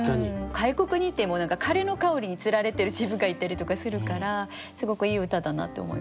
外国に行ってもカレーの香りに釣られてる自分がいたりとかするからすごくいい歌だなって思いました。